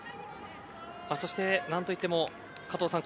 そして、何といっても加藤さん